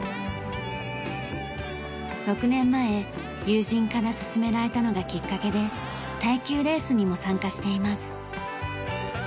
６年前友人から勧められたのがきっかけで耐久レースにも参加しています。